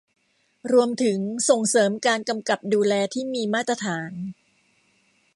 รวมถึงส่งเสริมการกำกับดูแลที่มีมาตรฐาน